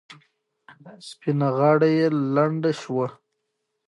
سپینه غاړه یې لنده شوه.